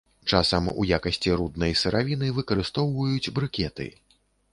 Часам у якасці руднай сыравіны выкарыстоўваюць брыкеты.